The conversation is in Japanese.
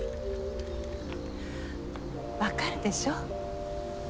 分かるでしょ？